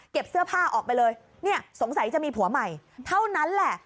เสื้อผ้าออกไปเลยเนี่ยสงสัยจะมีผัวใหม่เท่านั้นแหละ